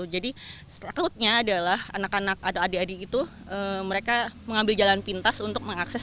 jadi selanjutnya adalah anak anak ada adik adik itu mereka mengambil jalan pintas untuk mengakses